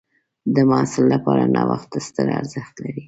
د محصل لپاره نوښت ستر ارزښت لري.